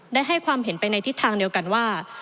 ได้ให้ความเห็นไปในทิศทางเดียวกันว่า